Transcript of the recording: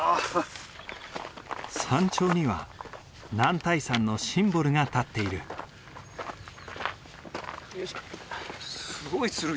山頂には男体山のシンボルが立っている。